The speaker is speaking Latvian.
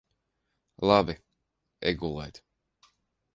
Labi. Ej gulēt.